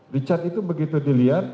richard itu begitu dilihat